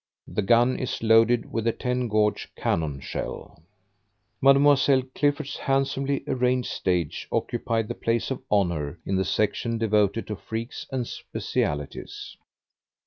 The gun is loaded with a 10 gauge cannon shell. Mlle. Clifford's handsomely arranged stage occupied the place of honor in the section devoted to freaks and specialties.